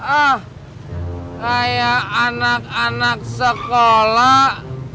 ah kayak anak anak sekolah